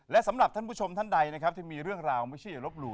และสำหรับท่านผู้ชมท่านใดนะครับที่มีเรื่องราวไม่เชื่ออย่าลบหลู่